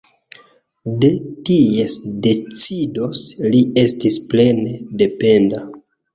De ties decidoj li estis plene dependa.